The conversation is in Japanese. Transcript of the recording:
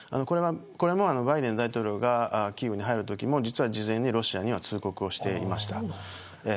これもバイデン大統領がキーウに入るときも実は、事前にロシアに通告していました。